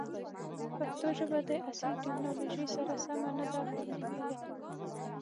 پښتو ژبه د عصري تکنالوژۍ سره سمه نه ده پرمختللې.